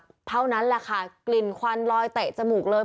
เท่านั้นแหละค่ะกลิ่นควันลอยเตะจมูกเลย